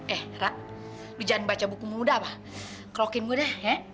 eh ra lo jangan baca buku muda pak kelokin gue deh ya